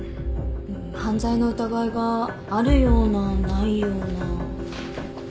犯罪の疑いがあるようなないような。